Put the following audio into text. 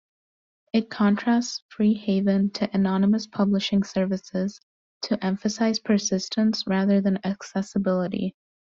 It contrasts Free Haven to anonymous publishing services to emphasize persistence rather than accessibility.